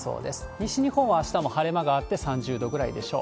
西日本はあしたも晴れ間があって、３０度ぐらいでしょう。